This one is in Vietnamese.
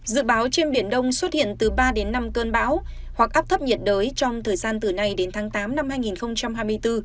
dự báo trên biển đông xuất hiện từ ba đến năm cơn bão hoặc áp thấp nhiệt đới trong thời gian từ nay đến tháng tám năm hai nghìn hai mươi bốn